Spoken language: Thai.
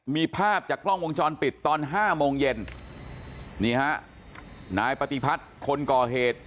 มีภาพจากกล้องวงจรปิดตอนห้าโมงเย็นนี่ฮะนายปฏิพัฒน์คนก่อเหตุ